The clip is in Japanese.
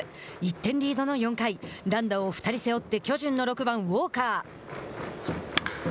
１点リードの４回ランナーを２人背負って巨人の６番ウォーカー。